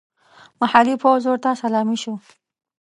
محلي پوځ ورته سلامي شو.